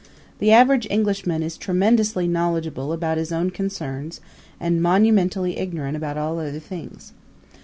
The average Englishman is tremendously knowledgable about his own concerns and monumentally ignorant about all other things.